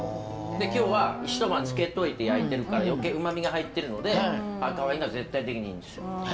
で今日は一晩漬けといて焼いてるから余計うまみが入ってるので赤ワインが絶対的にいいんですよ。